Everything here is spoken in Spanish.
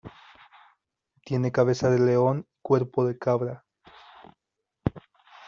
Tiene cabeza de león y cuerpo de cabra.